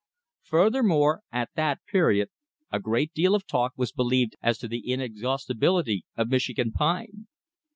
Furthermore, at that period, a great deal of talk was believed as to the inexhaustibility of Michigan pine.